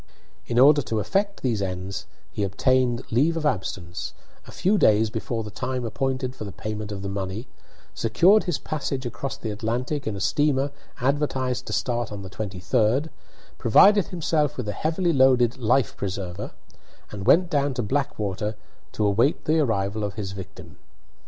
In order to effect these ends he obtained leave of absence a few days before the time appointed for the payment of the money, secured his passage across the Atlantic in a steamer advertised to start on the 23d, provided himself with a heavily loaded "life preserver," and went down to Blackwater to await the arrival of his victim.